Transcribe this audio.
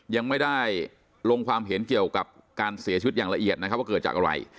ยังไม่ได้ลงความเห็นเกี่ยวกับการเสียชีวิตอย่างละเอียดนะครับว่าเกิดจากอะไร